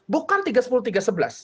bukan pasal tiga puluh tiga sebelas